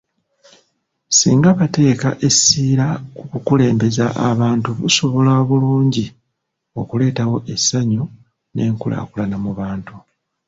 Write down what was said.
Singa bateeka essira ku kulembeza abantu busobola bulungi okuleetawo essanyu n’enkulaakulana mu bantu.